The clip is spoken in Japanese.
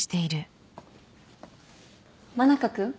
真中君？